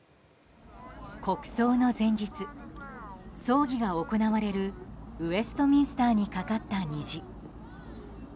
国葬の前日、葬儀が行われるウェストミンスターに架かった虹。